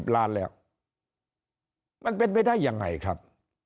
ล้านแล้วมันเป็นไปได้ยังไงครับ